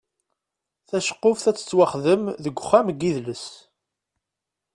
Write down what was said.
Taceqquft ad tettwaxdem deg uxxam n yidles.